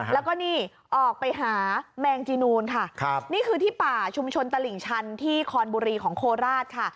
แล้วก็นี่ออกไปหาแมงจีนูนค่ะนี่คือที่ป่าชุมชนตลิ่งชันที่คอนบุรีของโคราชค่ะ